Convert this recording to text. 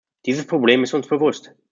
Dieses Problem ist uns bewusst.